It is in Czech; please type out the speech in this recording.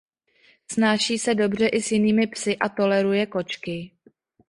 Snáší se dobře i s jinými psy a toleruje kočky.